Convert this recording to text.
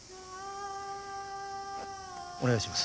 お願いします。